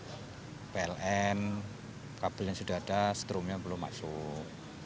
kita lihat pln kabelnya sudah ada stromnya belum masuk